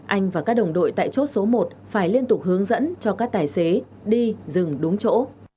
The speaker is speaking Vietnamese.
anh và các đồng đội tại chốt số một phải liên tục hướng dẫn cho các tài xế đi rừng đúng chỗ